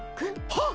はっ！